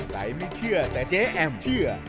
ใครไม่เชื่อแต่เจ๊แอมเชื่อ